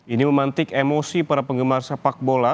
ini memantik emosi para penggemar sepak bola